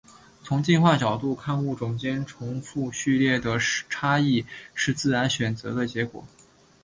从进化角度看物种间重复序列的差异是自然选择的结果。